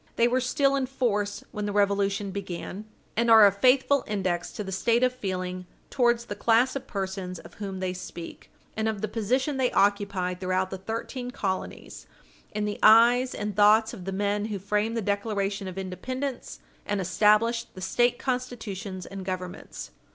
They were still in force when the Revolution began, and are a faithful index to the state of feeling towards the class of persons of whom they speak, and of the position they occupied throughout the thirteen colonies, in the eyes and thoughts of the men who framed the Declaration of Independence and established the State Constitutions and Governments.